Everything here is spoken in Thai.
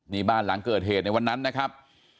นี่บ้านหลังเกิดเหตุในวันนั้นนะครับ